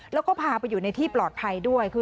แล้วก็พาไปอยู่ในที่ปลอดภัยด้วย